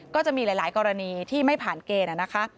ก็จะมีหลายกรณีที่ไม่ผ่านเกณฑ์นะคะ